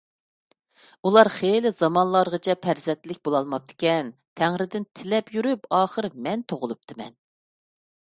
ئۇلار خېلى زامانلارغىچە پەرزەنتلىك بولالماپتىكەن، تەڭرىدىن تىلەپ يۈرۈپ ئاخىر مەن تۇغۇلۇپتىمەن.